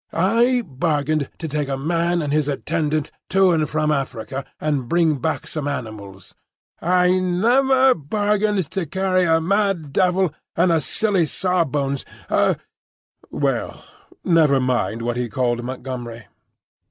I bargained to take a man and his attendant to and from Arica, and bring back some animals. I never bargained to carry a mad devil and a silly Sawbones, a—" Well, never mind what he called Montgomery.